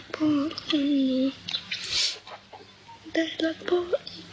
พ่อไปใส่อีก